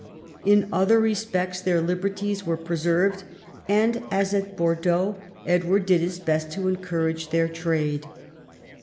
In other respects their liberties were pre served, and, as at Bordeaux, Edward did his best to encourage their trade.